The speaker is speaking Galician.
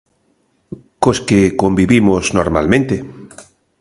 Cos que convivimos normalmente.